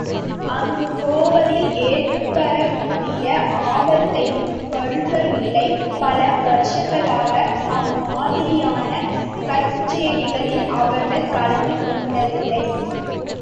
அங்கு போவதில் ஏற்படக்கூடிய ஆபாயத்தையும் கருதவில்லை.பல வருஷங்களாக அம்மாதிரியான கச்சேரிகளில் அவர்கள் கலந்து கொண்டதில்லை.